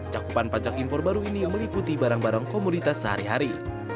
cakupan pajak impor baru ini meliputi barang barang komoditas sehari hari